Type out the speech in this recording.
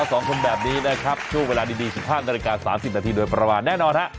บางคนแบบนี้แบบครับช่วงเวลาดีสุข่างรายการ๓๐นาทีโดยประหว่าแน่นอนฮะ